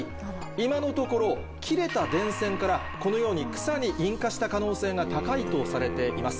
今のところ切れた電線からこのように草に引火した可能性が高いとされています。